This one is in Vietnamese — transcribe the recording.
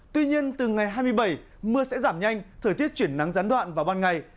tuy nhiên từ ngày hai mươi bảy mưa sẽ giảm nhanh thời tiết chuyển nắng gián đoạn vào ban ngày